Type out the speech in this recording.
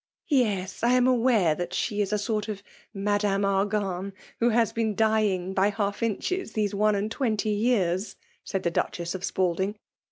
" Yes, I am aware that she is a sort of Madame Argan, who has been dying by half inches these one and twenty years,'* said the Duchess of Spalding.